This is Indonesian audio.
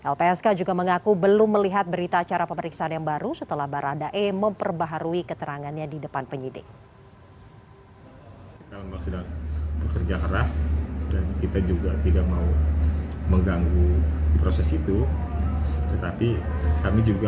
lpsk juga mengaku belum melihat berita acara pemeriksaan yang baru setelah baradae memperbaharui keterangannya di depan penyidik